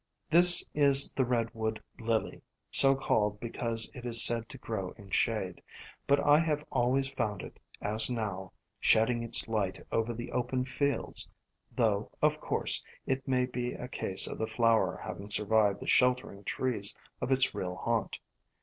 This is the Red Wood Lily, so called because it is said to grow in shade; but I have always found it, as now, shedding its light over the open fields, though, of course, it may be a case of the flower having survived the sheltering trees of its real haunt.